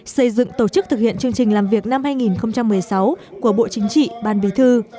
xây dựng tổ chức thực hiện chương trình làm việc năm hai nghìn một mươi sáu của bộ chính trị ban bí thư